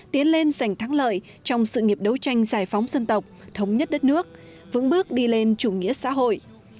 tiến lên giành thắng lợi trong sự nghiệp đấu tranh giải phóng dân tộc thống nhất đất nước vững bước đi lên chủ nghĩa xã hội